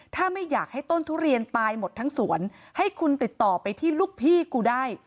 ถ้าไม่อยากให้ต้นทุเรียนตายหมดทั้งสวนให้คุณติดต่อไปที่ลูกพี่กูได้